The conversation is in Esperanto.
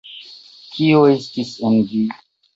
Kio estis en ĝi?